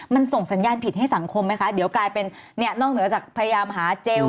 มันส่งสัญญาณผิดให้สังคมไหมคะเดี๋ยวกลายเป็นเนี่ยนอกเหนือจากพยายามหาเจล